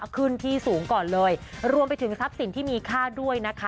ขึ้นที่สูงก่อนเลยรวมไปถึงทรัพย์สินที่มีค่าด้วยนะคะ